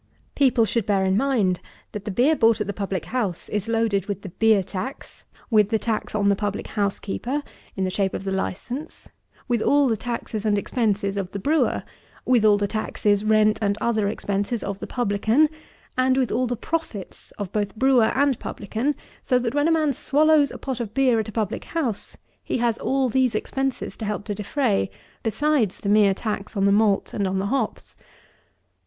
People should bear in mind, that the beer bought at the public house is loaded with a beer tax, with the tax on the public house keeper, in the shape of license, with all the taxes and expenses of the brewer, with all the taxes, rent, and other expenses of the publican, and with all the profits of both brewer and publican; so that when a man swallows a pot of beer at a public house, he has all these expenses to help to defray, besides the mere tax on the malt and on the hops.